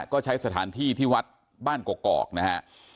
ก็ใช้สถานที่ที่วัดบ้านกอกนะฮะ